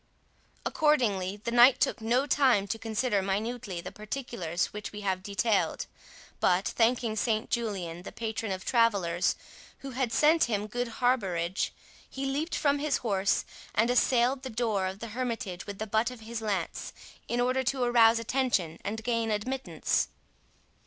Accordingly, the knight took no time to consider minutely the particulars which we have detailed, but thanking Saint Julian (the patron of travellers) who had sent him good harbourage, he leaped from his horse and assailed the door of the hermitage with the butt of his lance, in order to arouse attention and gain admittance.